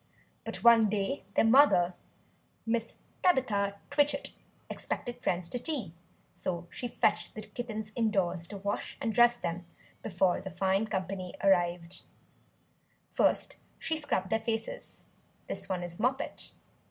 But one day their mother Mrs. Tabitha Twitchit expected friends to tea; so she fetched the kittens indoors, to wash and dress them, before the fine company arrived. First she scrubbed their faces (this one is Moppet).